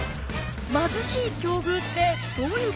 貧しい境遇ってどういうこと？